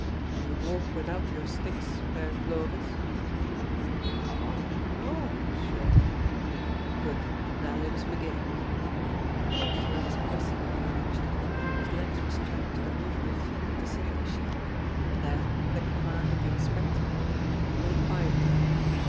Can you walk without your sticks, Père Clovis?" "Oh! no, Mochieu!" "Good, then let us begin." The old fellow was hoisted on the armchair; his legs were strapped to the movable feet of the sitting machine; then, at the command of the inspector: "Go quietly!"